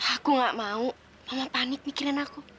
aku nggak mau mama panik mikirin aku